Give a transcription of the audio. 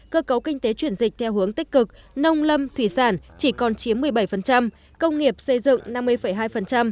cơ cấu kinh tế chuyển dịch theo hướng tích cực nông lâm thủy sản chỉ còn chiếm một mươi bảy công nghiệp xây dựng năm mươi hai